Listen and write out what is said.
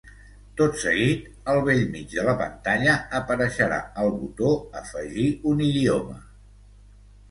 Tot seguit, al bell mig de la pantalla, apareixerà el botó “Afegir un idioma”.